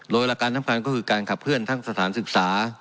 โลยาลักษณ์ท่ำคันก็คือการขับเคลื่อนท่าของสถานศึกษา